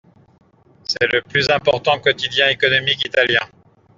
C'est le plus important quotidien économique italien.